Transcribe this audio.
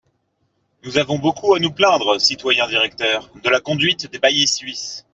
Nous avons beaucoup à nous plaindre, citoyens directeurs, de la conduite des baillis suisses.